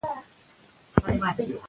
موږ باید خپلو ماشومانو ته پاملرنه وکړو.